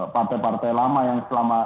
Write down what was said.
partai partai lama yang selama